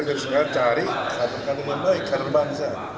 jadi saya cari kader kader muda kader bangsa